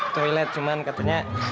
toilet cuman katanya